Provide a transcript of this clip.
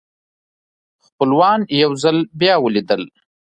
خپلوان یو ځل بیا ولیدل.